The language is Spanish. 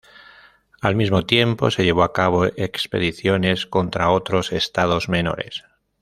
Al mismo tiempo, se llevó a cabo expediciones contra otros estados menores.